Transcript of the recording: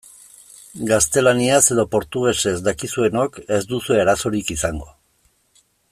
Gaztelaniaz edo portugesez dakizuenok ez duzue arazorik izango.